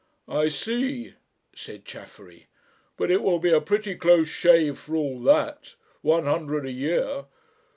"I see," said Chaffery; "but it will be a pretty close shave for all that one hundred a year.